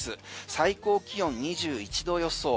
最高気温２１度予想。